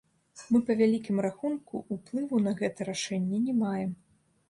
Мы па вялікім рахунку ўплыву на гэта рашэнне не маем.